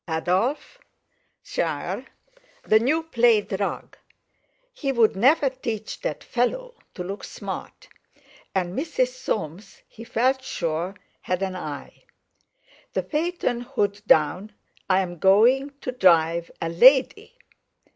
"Adolf!" "Sare!" "The new plaid rug!" He would never teach that fellow to look smart; and Mrs. Soames he felt sure, had an eye! "The phaeton hood down; I am going—to—drive—a—lady!"